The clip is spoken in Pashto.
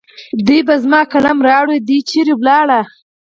دوی به زما قلم راوړي. دوی چېرې ولاړل؟